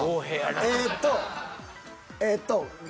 えっとえっと